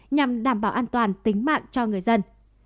nhằm đảm bảo an toàn tính mạng cho người dân